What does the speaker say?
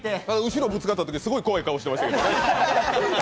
後ろぶつかったときすごい怖い顔してましたけど。